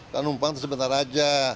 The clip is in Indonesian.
kalau numpang itu sebentar aja